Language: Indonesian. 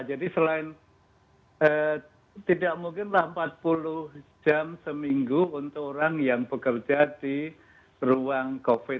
jadi selain tidak mungkinlah empat puluh jam seminggu untuk orang yang bekerja di ruang covid